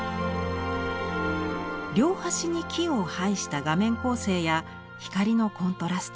両端に木を配した画面構成や光のコントラスト。